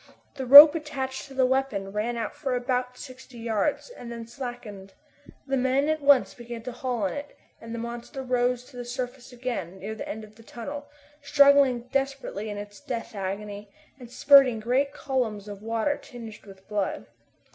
The rope attached to the weapon ran out for about sixty yards, and then slackened. The men at once began to haul on it, and the monster rose to the surface again near the end of the tunnel, struggling desperately in its death agony, and spurting great columns of water tinged with blood.